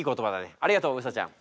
ありがとううさちゃん。